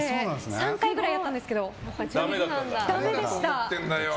３回くらいやったんですけどダメでした。